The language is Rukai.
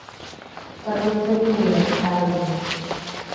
takocengele tario